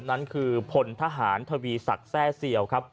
นั่นคือพลทหารทวีสัตว์แส้เซียว